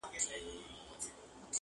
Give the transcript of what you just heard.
بس وینا کوه د خدای لپاره سپینه,